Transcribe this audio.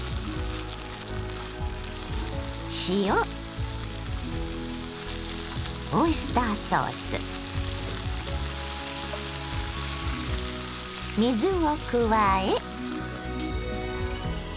塩オイスターソース水を加え。